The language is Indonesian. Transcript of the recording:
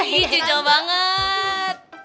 hihihi jujur banget